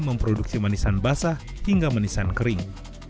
memproduksi manisan basah hingga manisan kering